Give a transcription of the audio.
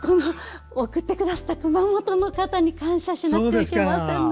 送ってくださった熊本の方に感謝しなくてはいけませんね。